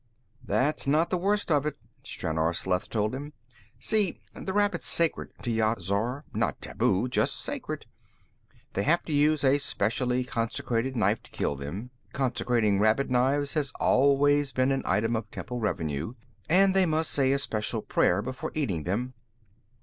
"That's not the worst of it," Stranor Sleth told him. "See, the rabbit's sacred to Yat Zar. Not taboo; just sacred. They have to use a specially consecrated knife to kill them consecrating rabbit knives has always been an item of temple revenue and they must say a special prayer before eating them.